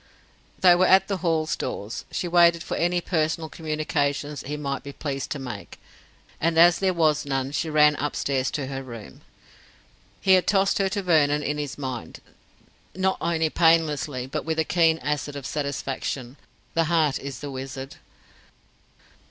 They were at the Hall doors. She waited for any personal communications he might be pleased to make, and as there was none, she ran upstairs to her room. He had tossed her to Vernon in his mind, not only painlessly, but with a keen acid of satisfaction. The heart is the wizard.